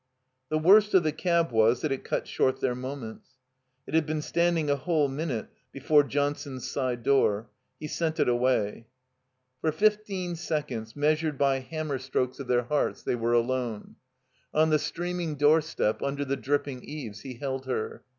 The worst of the cab was that it cut short their moments. It had been standing a whole minute before John son's side door. He sent it away. For fifteen seconds, meastued by hammer strokes 372 THE COMBINED MAZE of their hearts, they were alone. On the streaming doorstep, under the dripping eaves, he held her.